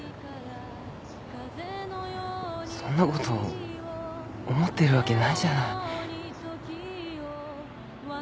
そんなこと思ってるわけないじゃない。